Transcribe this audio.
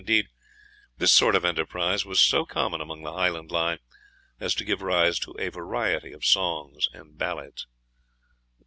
Indeed, this sort of enterprise was so common along the Highland line as to give rise to a variety of songs and ballads.